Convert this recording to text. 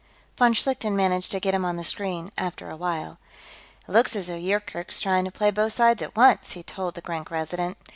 Von Schlichten managed to get him on the screen, after a while. "It looks as though Yoorkerk's trying to play both sides at once," he told the Grank Resident.